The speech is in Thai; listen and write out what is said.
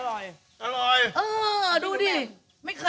โอ๊ยดูดี้